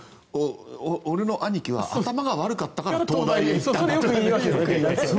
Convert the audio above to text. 俺の兄貴は頭が悪かったから東大に行ったんだって。